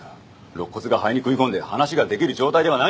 肋骨が肺に食い込んで話が出来る状態ではないんですよ。